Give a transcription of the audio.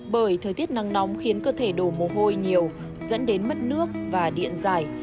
bởi thời tiết nắng nóng khiến cơ thể đổ mồ hôi nhiều dẫn đến mất nước và điện dài